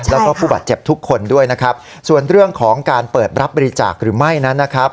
แล้วก็ผู้บาดเจ็บทุกคนด้วยนะครับส่วนเรื่องของการเปิดรับบริจาคหรือไม่นั้นนะครับ